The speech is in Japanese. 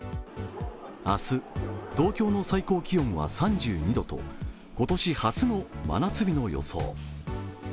明日、東京の最高気温は３２度と今年初の真夏日の予想。